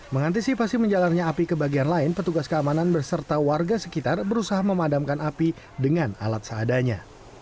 mengantisipasi menjalarnya api ke bagian lain petugas keamanan berserta warga sekitar berusaha memadamkan api dengan alat seadanya